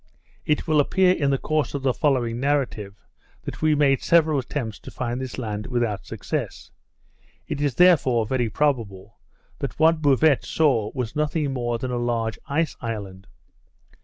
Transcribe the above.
It will appear in the course of the following narrative, that we made several attempts to find this land without success. It is, therefore, very probable, that what Bouvet saw was nothing more than a large ice island.